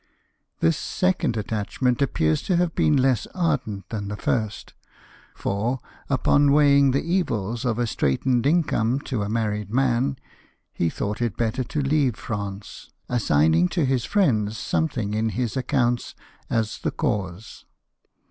This second attachment appears to have been less ardent than the first ; for, upon weighing the evils of a straitened income to a married man, he thought it better to leave France, assigning to his friends something in his accounts 32 LIFE OF NELSON. as the cause.